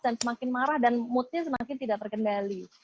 dan semakin marah dan moodnya semakin tidak terkendali